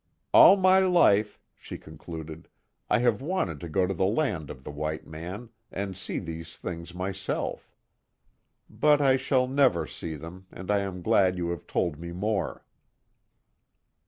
"All my life," she concluded, "I have wanted to go to the land of the white man, and see these things myself. But, I never shall see them, and I am glad you have told me more."